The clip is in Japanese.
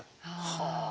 はあ。